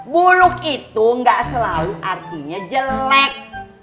buluk itu nggak selalu artinya jelek